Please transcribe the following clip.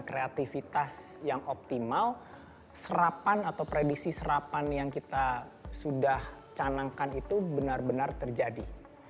kreativitas yang optimal serapan atau prediksi serapan yang kita sudah canangkan itu benar benar terjadi